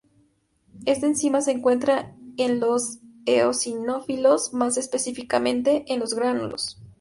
Esta enzima se encuentra en los eosinófilos, más específicamente en los gránulos.